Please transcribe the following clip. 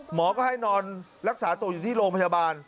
หมอก็ให้นอนรักษาตัวอยู่ที่โรงพยาบาล